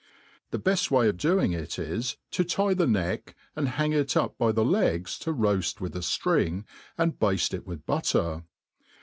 The beft Way of doing it is to tie the neck, and hang it up by the legs to roaft with a ftring, and bafte it with butter.